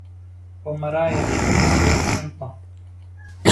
ومرايا الشمس والحنطة